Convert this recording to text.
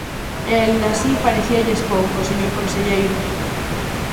E, aínda así, parecíalles pouco, señor conselleiro.